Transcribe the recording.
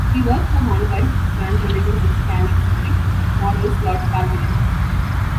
He worked for Hornby as brand manager of the "Scalextric" model slot car division.